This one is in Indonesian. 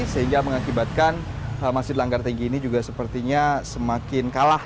sehingga mengakibatkan masjid langgar tinggi ini juga sepertinya semakin kalah